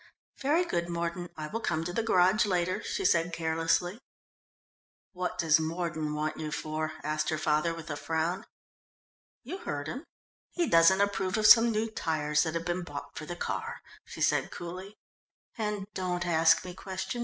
"Very good, Mordon, I will come to the garage later," she said carelessly. "What does Mordon want you for?" asked her father, with a frown. "You heard him. He doesn't approve of some new tyres that have been bought for the car," she said coolly. "And don't ask me questions.